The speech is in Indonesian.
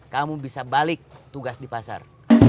kamu bisa balik tugas di pasar